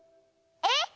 えっ？